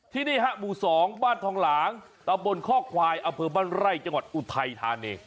ที่นี่ฮะหมู่๒บ้านทองหลางตะบนข้อควายอำเภอบ้านไร่จังหวัดอุทัยธานี